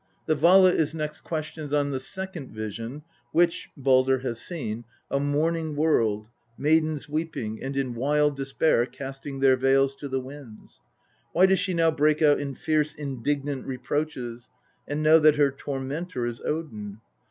The Vala is next questioned on the second vision which Baldr has seen a mourning world, maidens weeping and in wild despair casting their veils to the winds. Why does she now break out in fierce indignant reproaches, and know that her tormentor is Odin